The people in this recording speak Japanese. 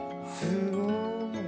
すごい。